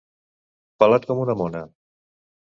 Pelat com una mona.